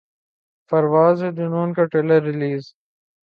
پرواز ہے جنون کا trailer release